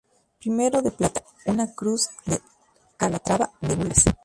Primero, de plata, una Cruz de Calatrava de gules.